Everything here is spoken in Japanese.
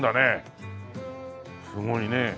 すごいねえ。